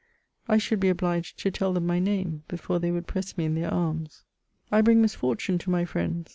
I should be obliged to tell them my name, before they would press me in their arms. I bring misfortune to my friends.